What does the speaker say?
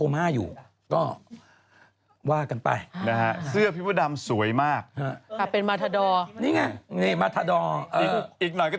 พี่ตูต้องใส่เสื้อให้ทุกที่นี่ไป